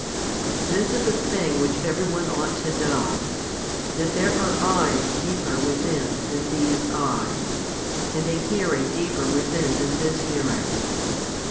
5. This is a thing which every one ought to know, that there are eyes deeper within than these eyes, and a hearing deeper within than this hearing.